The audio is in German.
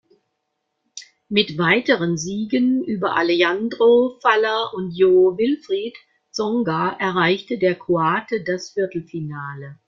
Mit weiteren Siegen über Alejandro Falla und Jo-Wilfried Tsonga erreichte der Kroate das Viertelfinale.